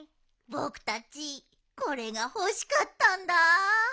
ぼくたちこれがほしかったんだ。